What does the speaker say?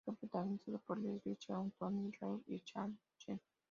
Fue protagonizada por Leslie Cheung, Tony Leung y Chang Chen.